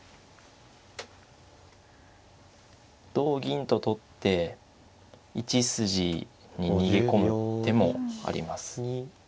同銀と取って１筋に逃げ込む手もあります。